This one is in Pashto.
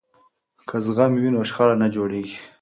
که زغم وي نو شخړه نه جوړیږي.